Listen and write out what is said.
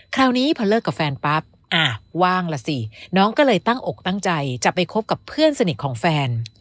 คราวนี้พอเลิกกับแฟนปั๊บอ่ะว่างล่ะสิน้องก็เลยตั้งอกตั้งใจจะไปคบกับเพื่อนสนิทของแฟน